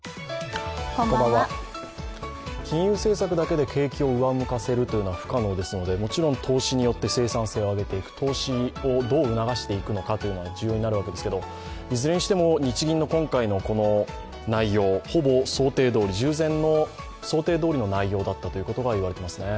金融政策だけで景気を上向かせるというのは不可能ですので、もちろん投資によって生産性を上げていく、投資をどう促していくのかが重要になるわけですけれどいずれにしても日銀の今回の内容、ほぼ想定どおり、従前の想定どおりの内容だったと言われていますね。